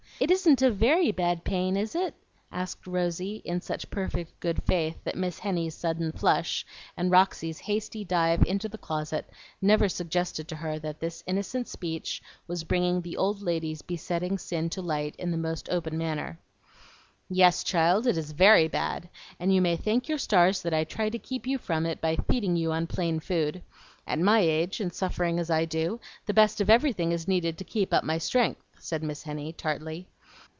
It isn't a VERY bad pain, is it?" asked Rosy, in such perfect good faith that Miss Henny's sudden flush and Roxy's hasty dive into the closet never suggested to her that this innocent speech was bringing the old lady's besetting sin to light in the most open manner. "Yes, child, it is VERY bad, and you may thank your stars that I try to keep you from it by feeding you on plain food. At my age, and suffering as I do, the best of everything is needed to keep up my strength," said Miss Henny, tartly.